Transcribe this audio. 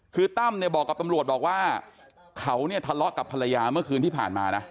คือตั้มเนี่ยบอกกับตำรวจบอกว่าเขาเนี่ยทะเลาะกับภรรยาเมื่อคืนที่ผ่านมานะ